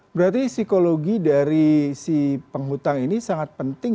berarti psikologi dari si penghutang ini sangat penting